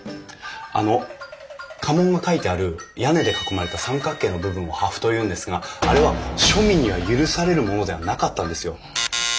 あの家紋が書いてある屋根で囲まれた三角形の部分を破風というんですがあれは庶民には許されるものではなかったんですよ。